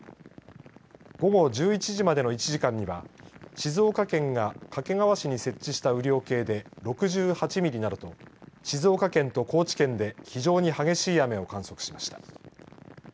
午後１１時までの１時間には静岡県が掛川市に設置した雨量計で６８ミリなどと静岡県と高知県で非常に激しい雨を観測しました。